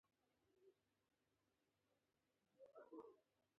دا د سټیونز پر زیان تمامېږي.